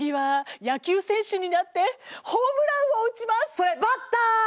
それバッター！